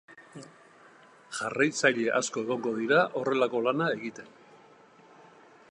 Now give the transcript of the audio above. Jarraitzaile asko egongo dira horrelako lana egiten.